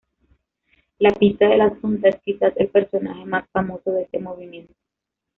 La Pita de la Xunta es quizás el personaje más famoso de este movimiento.